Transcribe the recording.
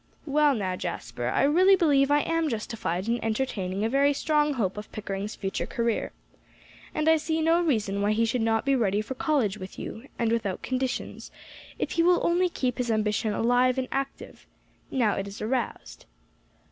"Well, now, Jasper, I really believe I am justified in entertaining a very strong hope of Pickering's future career. And I see no reason why he should not be ready for college with you, and without conditions, if he will only keep his ambition alive and active, now it is aroused."